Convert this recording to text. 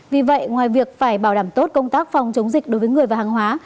vì vậy ngoài việc phải bảo đảm tốt công tác phòng chống dịch đối với người và hàng hóa